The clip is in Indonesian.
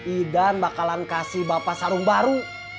idan bakalan kasih bapak sarung baru